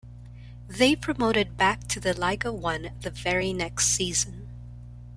They promoted back to the Liga One the very next season.